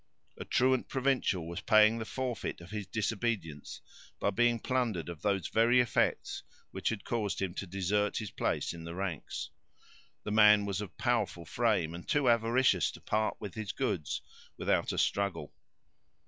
A truant provincial was paying the forfeit of his disobedience, by being plundered of those very effects which had caused him to desert his place in the ranks. The man was of powerful frame, and too avaricious to part with his goods without a struggle.